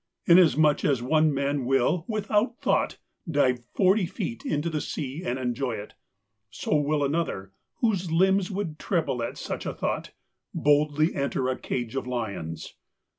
Inasmuch as one man will without thought dive forty feet into the sea and enjoy it, so will another, whose limbs would tremble at such a thought, boldly enter a cage of lions.